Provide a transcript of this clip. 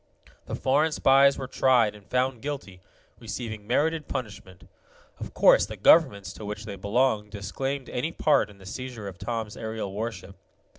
The foreign spies were tried and found guilty, receiving merited punishment. Of course the governments to which they belonged disclaimed any part in the seizure of Tom's aerial warship.